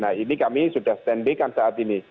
nah ini kami sudah stand by kan saat ini